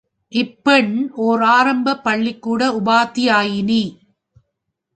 இப்பெண் ஓர் ஆரம்பப் பள்ளிக்கூட உபாத்தியாயினி.